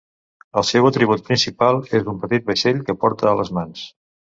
El seu atribut principal és un petit vaixell que porta a les mans.